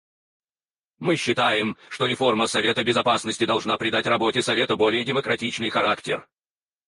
Мы считаем, что реформа Совета Безопасности должна придать работе Совета более демократичный характер.